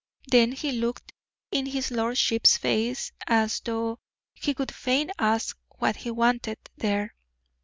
Then he looked in his lordship's face as though he would fain ask what he wanted there.